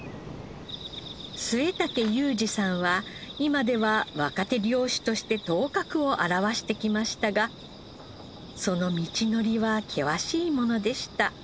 末竹雄次さんは今では若手漁師として頭角を現してきましたがその道のりは険しいものでした。